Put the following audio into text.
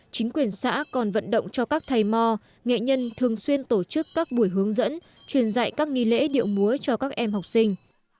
chính quyền xã còn vận động cho các thầy mò nghệ nhân thường xuyên tổ chức các buổi hướng dẫn truyền dạy các nghi lễ điệu múa cho các em học sinh